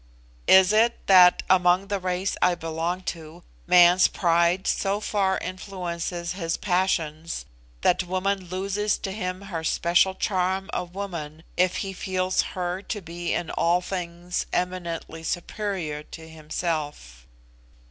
Is it that, among the race I belong to, man's pride so far influences his passions that woman loses to him her special charm of woman if he feels her to be in all things eminently superior to himself?